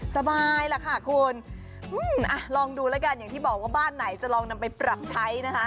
สบายล่ะค่ะคุณลองดูแล้วกันอย่างที่บอกว่าบ้านไหนจะลองนำไปปรับใช้นะคะ